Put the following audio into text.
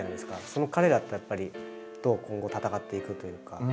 その彼らとやっぱりどう今後戦っていくというか。